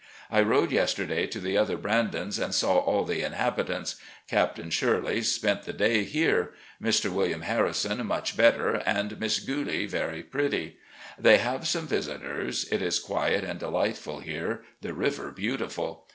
I rode yesterday to the other ' Brandons, ' and saw all the inhabitants. Captain Shirley spent the day here. Mr. Wm. Harrison much better, and Miss Gulie very pretty. They have some visitors. It is quiet and delightful here, the river beautiful.